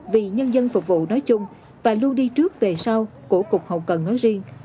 vì nhân dân phục vụ nói chung và luôn đi trước về sau của cục hậu cần nói riêng